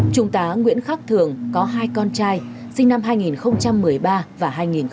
chúng ta nguyễn khắc thường có hai con trai sinh năm hai nghìn một mươi ba và hai nghìn một mươi bốn